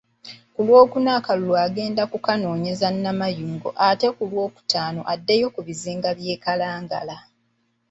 Ku Lwookuna akalulu agenda kukanoonyeza Namayigo ate ku Lwookutaano addeyo ku bizinga by'e Kalangala.